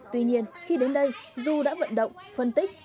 tuy nhiên khi đến đây du đã vận động phân tích